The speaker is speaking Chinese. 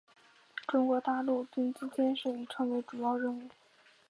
中国大陆经济建设已成为主要任务。